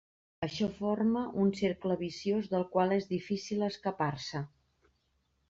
Això forma un cercle viciós del qual és difícil escapar-se.